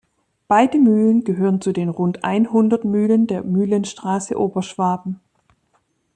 Beide Mühlen gehören zu den rund einhundert Mühlen der Mühlenstraße Oberschwaben.